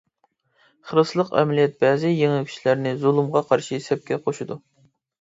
خىرىسلىق ئەمەلىيەت بەزى يېڭى كۈچلەرنى زۇلۇمغا قارشى سەپكە قوشىدۇ.